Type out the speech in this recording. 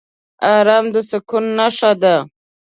ارام د سکون نښه ده.